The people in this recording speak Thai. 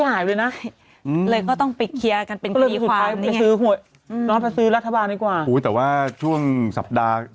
ให้ไปเคลียร์กันเองมันจะได้เหรอพี่เมดัวขนาดนี้